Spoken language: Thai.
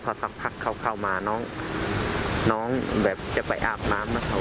พอสักพักเข้ามาน้องแบบจะไปอาบน้ำนะครับ